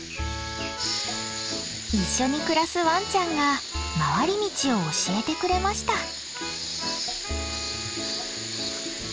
一緒に暮らすワンちゃんが回り道を教えてくれました。